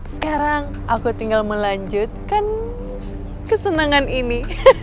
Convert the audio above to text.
sekarang aku tinggal melanjutkan kesenangan ini